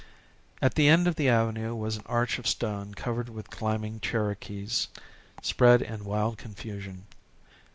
At the end of the avenue was an arch of stone covered with climbing Cherokees spread in wild confusion.